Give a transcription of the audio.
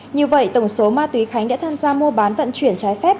như vậy tổng số ma túy khánh đã tham gia mua bán vận chuyển trái phép